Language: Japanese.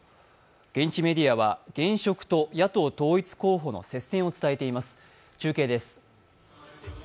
現地メディアは現職と野党統一候補の接戦を伝えています。